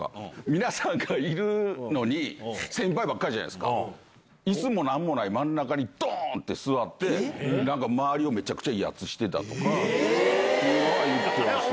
皆さんがいるのに、先輩ばっかりじゃないですか、いすもなんもない真ん中にどーんって座って、なんか周りをめちゃくちゃ威圧してたとかっていうのは言ってまし